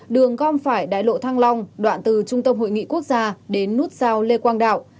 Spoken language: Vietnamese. đường gom phải đại lộ thăng long đoạn từ trung tâm hội nghị quốc gia đến nút giao lê quang đạo